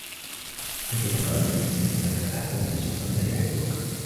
هل سبق أنك احببت شخصا لا يحبك ؟